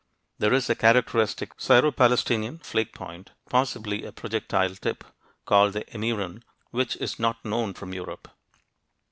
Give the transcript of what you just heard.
There is a characteristic Syro Palestinian flake point, possibly a projectile tip, called the Emiran, which is not known from Europe.